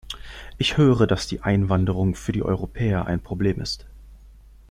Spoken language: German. Ich höre, dass die Einwanderung für die Europäer ein Problem ist.